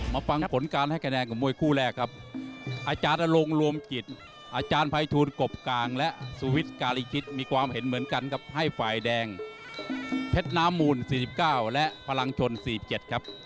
ฟังผลการให้คะแนนของมวยคู่แรกครับอาจารย์อลงรวมจิตอาจารย์ภัยทูลกบกลางและสุวิทย์การีคิดมีความเห็นเหมือนกันครับให้ฝ่ายแดงเพชรน้ำมูล๔๙และพลังชน๔๗ครับ